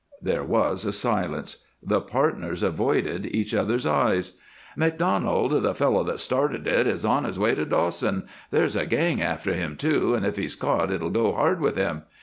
There was a silence; the partners avoided each other's eyes. "MacDonald, the fellow that started it, is on his way to Dawson. There's a gang after him, too, and if he's caught it'll go hard with him.